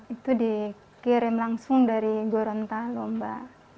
itu dikirim langsung dari gorontalo mbak